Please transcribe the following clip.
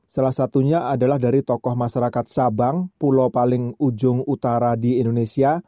salah satunya adalah dari tokoh masyarakat sabang pulau paling ujung utara di indonesia